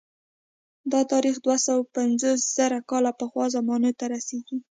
دا تاریخ دوه سوه پنځوس زره کاله پخوا زمانو ته رسېږي